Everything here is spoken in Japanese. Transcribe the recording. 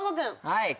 はい。